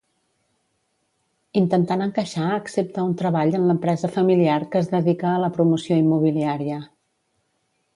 Intentant encaixar accepta un treball en l'empresa familiar que es dedica a la promoció immobiliària.